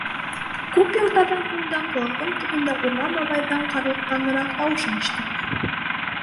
Күп йылдарҙан һуң да ҡолағым төбөндә Урман бабайҙың ҡарлыҡҡаныраҡ тауышын ишетәм: